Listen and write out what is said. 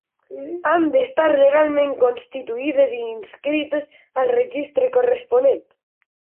Han d'estar legalment constituïdes i inscrites al registre corresponent.